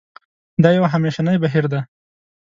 دا یو همېشنی بهیر دی.